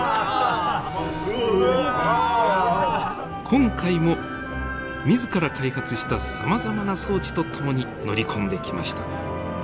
今回も自ら開発したさまざまな装置と共に乗り込んできました。